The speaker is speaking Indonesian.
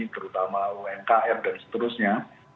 terutama umkr dan seterusnya